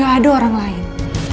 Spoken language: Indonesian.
gak ada orang lain